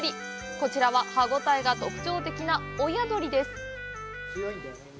こちらは歯応えが特徴的な親鳥です。